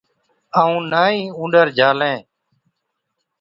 ائُون نہ ئِي اُونڏر جھالين۔